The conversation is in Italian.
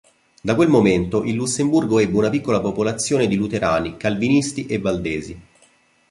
Da quel momento, il Lussemburgo ebbe una piccola popolazione di Luterani, Calvinisti e Valdesi.